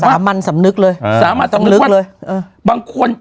สามัญสำนึกว่าบางคน